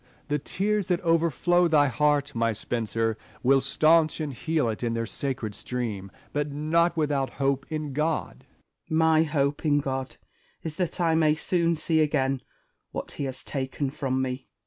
The tears that overflow thy heart, my Spenser, will staunch and heal it in their sacred stream ; but not without hope in God. Spenser. My hope in God is that I may soon see again what he has taken from me.